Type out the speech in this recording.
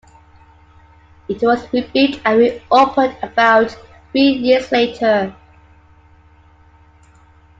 It was rebuilt and reopened about three years later.